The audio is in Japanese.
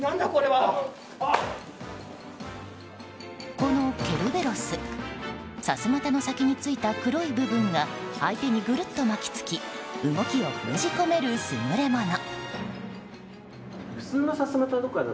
このケルベロスさすまたの先についた黒い部分が相手にぐるっと巻き付き動きを封じ込める優れもの。